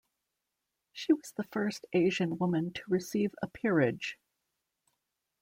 She was the first Asian woman to receive a peerage.